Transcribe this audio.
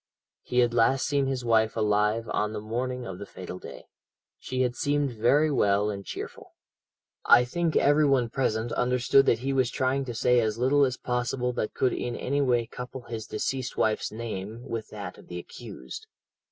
He had last seen his wife alive on the morning of the fatal day. She had seemed very well and cheerful. "I think every one present understood that he was trying to say as little as possible that could in any way couple his deceased wife's name with that of the accused.